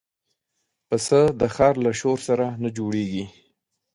پسه د ښار له شور سره نه جوړيږي.